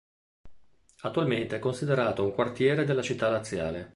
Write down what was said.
Attualmente è considerato un quartiere della città laziale.